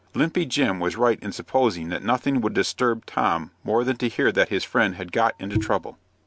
Limpy Jim was right in supposing that nothing would disturb Tom more than to hear that his friend had got into trouble.